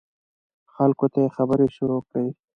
خلکو ته یې خبرې شروع کړې.